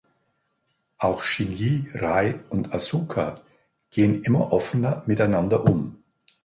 Auch Shinji, Rei und Asuka gehen immer offener miteinander um.